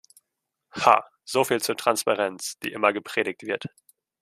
Ha, soviel zur Transparenz, die immer gepredigt wird!